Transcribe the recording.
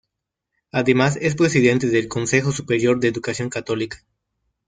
Además es presidente del Consejo Superior de Educación Católica.